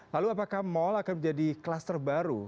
lalu apakah mal akan menjadi kelas terbaru